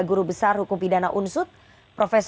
guru besar hukum pidana unsut prof